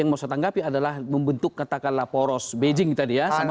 yang mau saya tanggapi adalah membentuk katakanlah poros beijing tadi ya